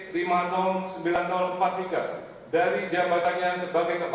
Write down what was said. lalu kebangsaan indonesia baik